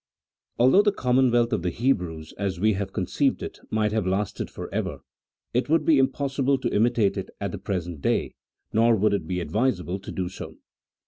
ALTHOUGH the commonwealth of the Hebrews, as we have conceived it, might have lasted for ever, it would he impossible to imitate it at the present day, nor would it be advisable so to do.